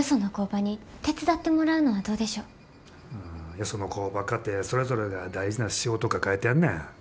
よその工場かてそれぞれが大事な仕事抱えてんねん。